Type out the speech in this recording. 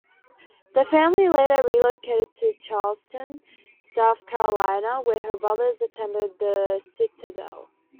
The family later relocated to Charleston, South Carolina, where her brothers attended The Citadel.